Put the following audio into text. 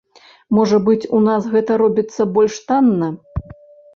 Можа быць, у нас гэта робіцца больш танна?